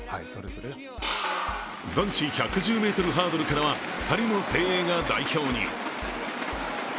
男子１１０ｍハードルから２人の精鋭が代表に。